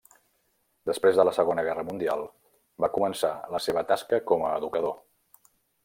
Després de la Segona Guerra Mundial, va començar la seva tasca com a educador.